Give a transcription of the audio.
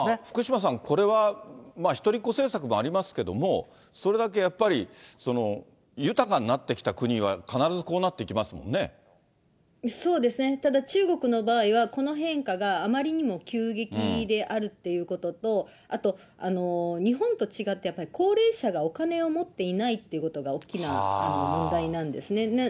福島さん、これは一人っ子政策もありますけども、それだけやっぱり、豊かになってきた国は、そうですね、ただ、中国の場合は、この変化があまりにも急激であるということと、あと日本と違って、やっぱり高齢者がお金を持っていないっていうことが、大きな問題なんですね。